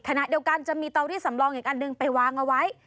ขณะเดียวกันจะมีเตารี่สำรองอีกอันหนึ่งไปวางเอาไว้